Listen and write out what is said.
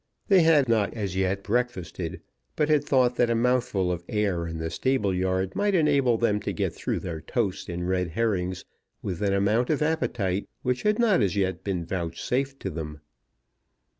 They had not as yet breakfasted, but had thought that a mouthful of air in the stable yard might enable them to get through their toast and red herrings with an amount of appetite which had not as yet been vouchsafed to them.